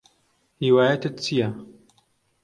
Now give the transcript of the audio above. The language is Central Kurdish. هیوایەتت چییە؟